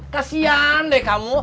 kasian deh kamu